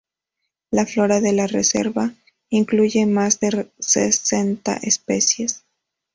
La flora de la reserva incluye más de sesenta especies.